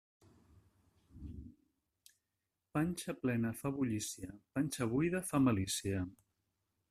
Panxa plena fa bullícia; panxa buida fa malícia.